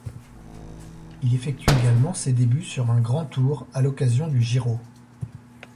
Il effectue également ses débuts sur un Grand Tour à l'occasion du Giro.